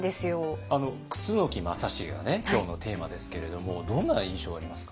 楠木正成がね今日のテーマですけれどもどんな印象ありますか？